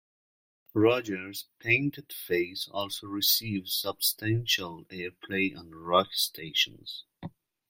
Rodgers' "Painted Face" also received substantial airplay on rock stations.